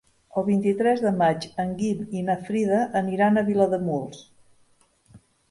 El vint-i-tres de maig en Guim i na Frida aniran a Vilademuls.